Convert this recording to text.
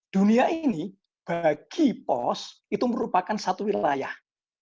dunia ini bagi pos itu merupakan satu wilayah